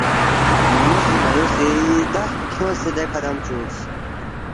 مو سی نَیو سیدھا کھیونگسے دِکھہ دم چُوکس